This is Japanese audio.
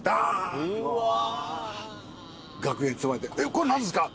これ何ですか？